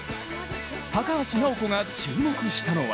高橋尚子が注目したのは